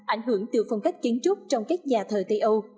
ảnh hưởng từ phong cách kiến trúc trong các nhà thờ tây âu